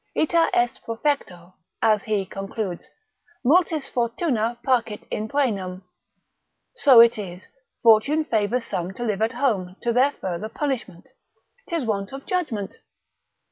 Ita est profecto (as he concludes) multis fortuna parcit in poenam, so it is, fortune favours some to live at home, to their further punishment: 'tis want of judgment.